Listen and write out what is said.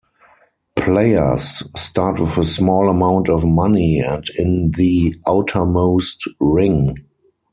Players start with a small amount of money and in the outermost ring.